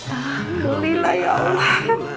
alhamdulillah ya allah